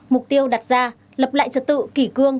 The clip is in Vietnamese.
mục tiêu đặt ra lập lại trật tự kỷ cương